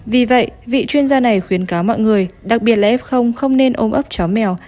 vì vậy vị chuyên gia này khuyến cáo mọi người đặc biệt là f không nên ôm ấp chó mèo